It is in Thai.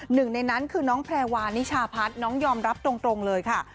หนึ่งในนั้นคือน้องแพรวานิชาพัฒน์น้องยอมรับตรงเลยค่ะ